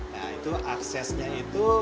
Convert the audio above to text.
nah itu aksesnya itu